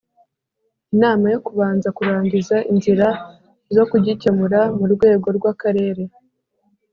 inama yo kubanza kurangiza inzira zo kugikemura mu rwego rw'akarere,